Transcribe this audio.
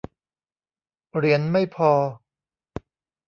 เหรียญไม่พอ